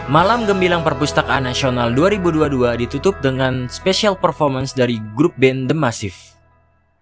malam gembilang perpustakaan nasional dua ribu dua puluh dua ditutup dengan special performance dari grup band the massive